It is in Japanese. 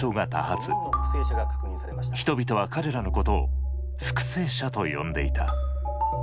人々は彼らのことを復生者と呼んでいた。